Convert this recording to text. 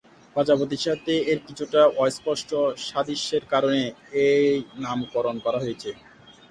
প্রজাপতির সাথে এর কিছুটা অস্পষ্ট সাদৃশ্যের কারনে এই নামকরণ করা হয়েছে।